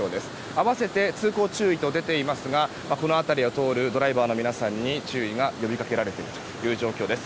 併せて通行注意と出ていますがこの辺りを通るドライバーの皆さんに注意が呼びかけられているという状況です。